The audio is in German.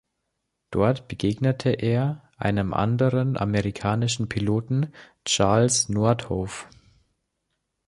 Dort begegnete er einem anderen amerikanischen Piloten, Charles Nordhoff.